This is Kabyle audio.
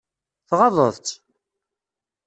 Tɣaḍeḍ-tt?